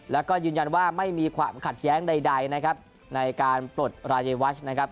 แล้วก็ยืนยันว่าไม่มีความขัดแย้งใดนะครับในการปลดรายวัชนะครับ